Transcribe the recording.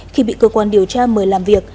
khi bị cơ quan điều tra mời làm việc